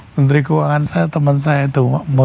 menteri keuangan saya teman saya itu